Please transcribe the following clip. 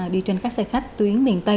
đi trên khách xe khách tuyến miền tây